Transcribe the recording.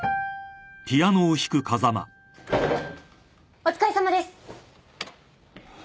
お疲れさまです！